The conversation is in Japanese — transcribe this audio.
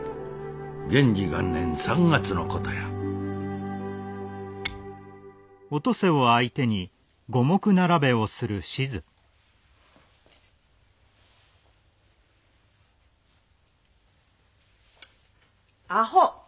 元治元年３月のことやアホ！